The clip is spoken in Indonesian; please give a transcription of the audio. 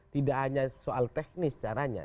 tidak hanya soal teknis caranya